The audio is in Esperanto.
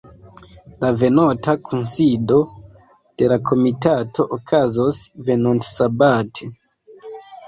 La venonta kunsido de la komitato okazos venontsabate.